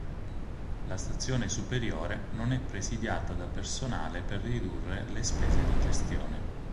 La stazione superiore non è presidiata da personale per ridurre le spese di gestione.